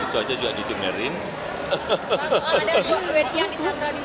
itu saja juga didengarkan